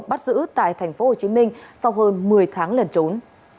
bắt giữ tại thành phố hồ chí minh sau hơn một mươi tháng lần trốn